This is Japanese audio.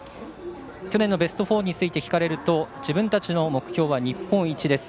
去年のベスト４について聞かれると、自分たちの目標は日本一です。